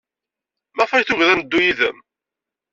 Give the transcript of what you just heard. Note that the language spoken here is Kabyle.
Maɣef ay tugid ad neddu yid-m?